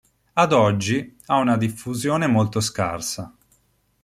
Ad oggi, ha una diffusione molto scarsa.